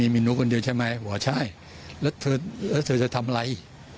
บอกว่าใช่แล้วเธอจะทำอะไร